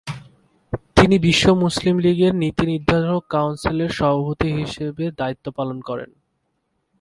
তিনি বিশ্ব মুসলিম লীগের নীতিনির্ধারক কাউন্সিলের সভাপতি হিসেবে দায়িত্ব পালন করেন।